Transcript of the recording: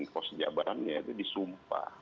pos jabatannya itu disumpah